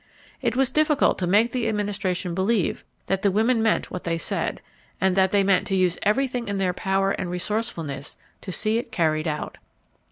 It was difficult to make the Administration believe that the women meant what they said, and that they meant to use everything in their power and resourcefulness to see it carried out.